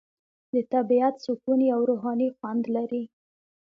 د طبیعت سکون یو روحاني خوند لري.